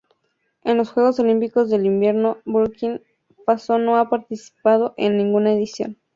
En los Juegos Olímpicos de Invierno Burkina Faso no ha participado en ninguna edición.